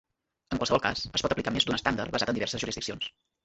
En qualsevol cas, es pot aplicar més d'un estàndard basat en diverses jurisdiccions.